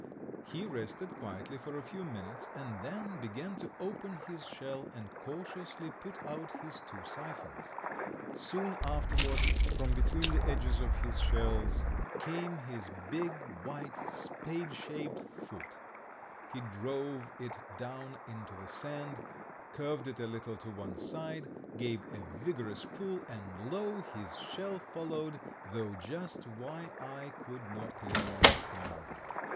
He rested quietly for a few minutes, and then began to open his shell and cautiously put out his two siphons. Soon afterward, from between the edges of his shells, came his big, white, spade shaped foot. He drove it down into the sand, curved it a little to one side, gave a vigorous pull, and lo! his shell followed, though just why I could not clearly understand.